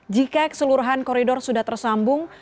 jika keseluruhan koridor sudah tersambung